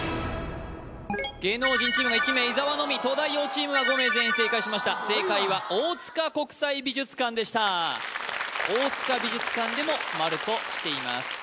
芸能人チームが１名伊沢のみ東大王チームが５名全員正解しました正解は大塚国際美術館でした大塚美術館でも丸としています